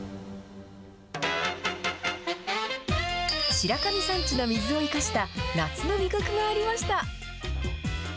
白神山地の水を生かした夏の味覚がありました。